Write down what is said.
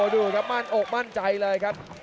ดูครับมั่นอกมั่นใจเลยครับ